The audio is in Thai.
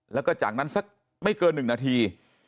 แล้วก็จากนั้นสักไม่เกิน๑นาที